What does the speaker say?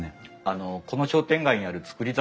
あのこの商店街にある造り